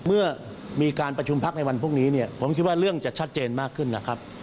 เมื่อมีการประชุมพักในวันพรุ่งนี้เนี่ยผมคิดว่าเรื่องจะชัดเจนมากขึ้นนะครับ